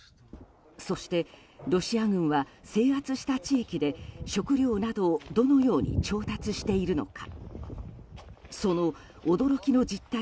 そして、ロシア軍は制圧した地域で食料などをどのように調達しているのか。